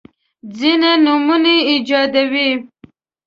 ځیني نومونه ایجادوي.